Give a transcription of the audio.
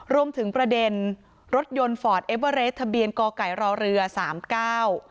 รวมถึงประเด็นรถยนต์ฟอร์ดเอเวอร์เรสทะเบียนก่อไก่รอเรือสามเก้า